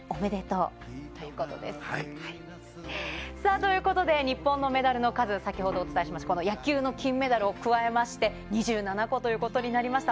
ということで、日本のメダルの数、先ほどお伝えしましたが、野球の金メダルを加えて、２７個ということになりました。